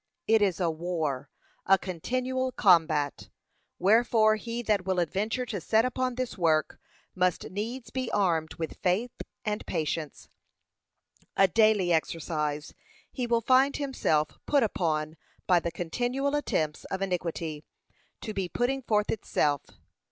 It is a war; a continual combat; wherefore he that will adventure to set upon this work must needs be armed with faith and patience, a daily exercise he will find himself put upon by the continual attempts of iniquity to be putting forth itself.